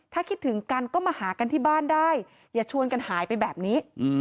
ถ้าคิดถึงกันก็มาหากันที่บ้านได้อย่าชวนกันหายไปแบบนี้